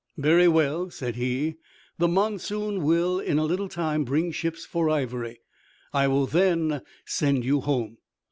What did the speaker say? "Very well," said he, "the monsoon will in a little time bring ships for ivory. I will then send you home."